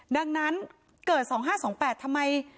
ดังนั้นเกิด๒๕๒๘ทำไม